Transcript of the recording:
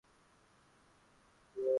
Wajenzi wamejenga nyumba kubwa sana